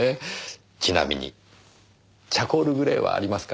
ちなみにチャコールグレーはありますか？